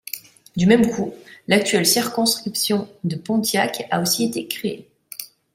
Du même coup, l'actuelle circonscription de Pontiac a aussi été créée.